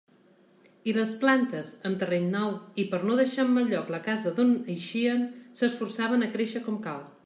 I les plantes, amb terreny nou, i per no deixar en mal lloc la casa d'on eixien, s'esforçaven a créixer com cal.